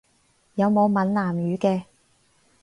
有冇閩南語嘅？